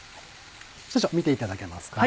少々見ていただけますか。